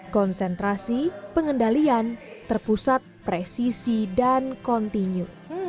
konsentrasi pengendalian terpusat presisi dan kontinu